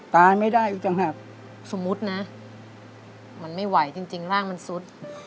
ตายไม่ได้อีกต่างหากสมมุตินะมันไม่ไหวจริงร่างมันซุด